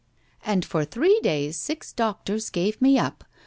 — ^and for three days six doctors gave me up.